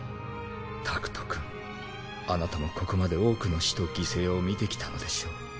タクトくんあなたもここまで多くの死と犠牲を見てきたのでしょう？